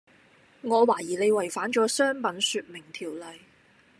我懷疑你違反咗商品説明條例